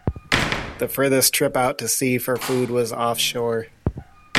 The farthest trip out to sea for food was offshore.